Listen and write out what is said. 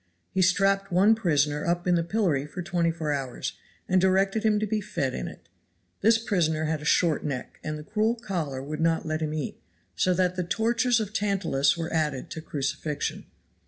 He strapped one prisoner up in the pillory for twenty four hours, and directed him to be fed in it. This prisoner had a short neck, and the cruel collar would not let him eat, so that the tortures of Tantalus were added to crucifixion.